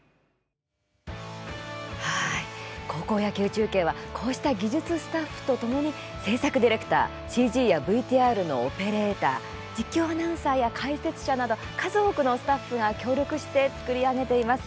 高校野球中継は、こうした技術スタッフとともに制作ディレクターＣＧやＶＴＲのオペレーター実況アナウンサーや解説者など数多くのスタッフが協力して作り上げています。